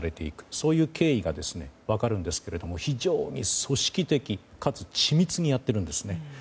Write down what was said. そういう経緯が分かるんですけれども非常に組織的かつ緻密にやっているんですね。